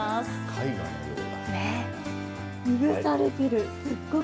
絵画のような。